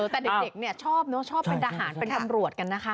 แต่เด็กเนี่ยชอบเนอะชอบเป็นทหารเป็นตำรวจกันนะคะ